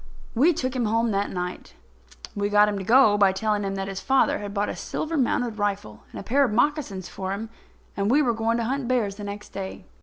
We took him home that night. We got him to go by telling him that his father had bought a silver mounted rifle and a pair of moccasins for him, and we were going to hunt bears the next day.